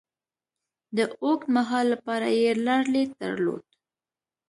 د اوږد مهال لپاره یې لرلید درلود.